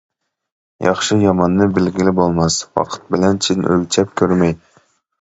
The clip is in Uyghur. ياخشى-ياماننى بىلگىلى بولماس، ۋاقىت بىلەن چىن ئۆلچەپ كۆرمەي.